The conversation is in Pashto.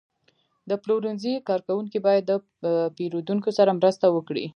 د پلورنځي کارکوونکي باید د پیرودونکو سره مرسته وکړي.